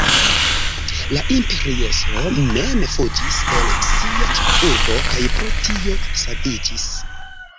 La imperiestro mem fuĝis el sia ĉefurbo kaj pro tio saviĝis.